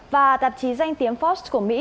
và tạp chí danh tiếng forbes của mỹ